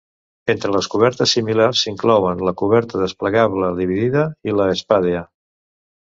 Entre les cobertes similars s"inclouen la "coberta desplegable dividida" i la "spadea".